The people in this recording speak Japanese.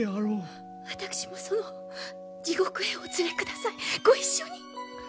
私もその地獄へお連れくださいご一緒に！